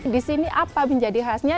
di sini apa menjadi khasnya